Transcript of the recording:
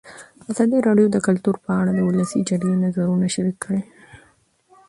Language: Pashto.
ازادي راډیو د کلتور په اړه د ولسي جرګې نظرونه شریک کړي.